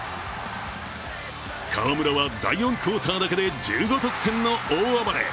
河村は第４クオーターだけで１５得点の大暴れ。